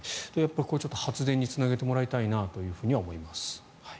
これは発電につなげてもらいたいなと思います。